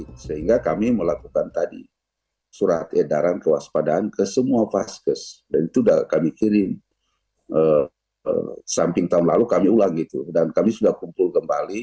tapi kalau bilang potensi itu potensi besar sekali